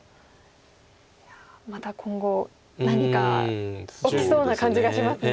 いやまた今後何か起きそうな感じがしますね。